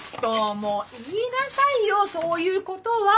もう言いなさいよそういうことは！